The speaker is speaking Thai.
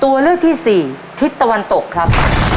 ตัวเลือกที่สี่ทิศตะวันตกครับ